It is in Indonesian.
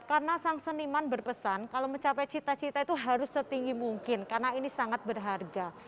karena sang seniman berpesan kalau mencapai cita cita itu harus setinggi mungkin karena ini sangat berharga